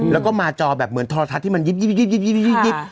เราก็มาเจาะแบบเหมือนทุรทัศน์ที่มันยิบอย่างงี้